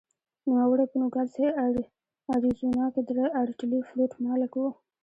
نوموړی په نوګالس اریزونا کې د ارټلي فلوټ مالک و.